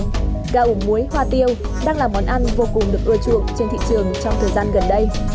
gà ổ muối hoa tiêu đang là món ăn vô cùng được ưa chuộng trên thị trường trong thời gian gần đây